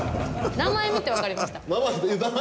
名前見てわかりました。